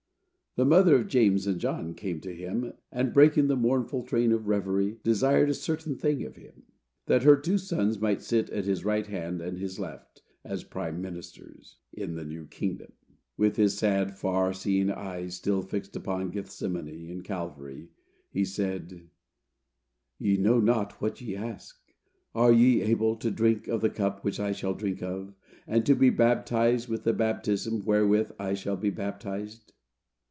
The mother of James and John came to him, and, breaking the mournful train of revery, desired a certain thing of him,—that her two sons might sit at his right hand and his left, as prime ministers, in the new kingdom. With his sad, far seeing eye still fixed upon Gethsemane and Calvary, he said, "Ye know not what ye ask. Are ye able to drink of the cup which I shall drink of, and to be baptized with the baptism wherewith I shall be baptized?"